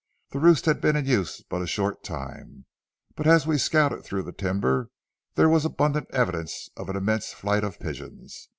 The roost had been in use but a short time, but as we scouted through the timber there was abundant evidence of an immense flight of pigeons.